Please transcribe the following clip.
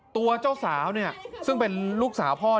ตัวเจ้าสาวเนี่ยซึ่งเป็นลูกสาวพ่อ